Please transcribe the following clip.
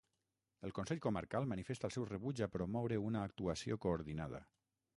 El Consell Comarcal manifesta el seu rebuig a promoure una actuació coordinada.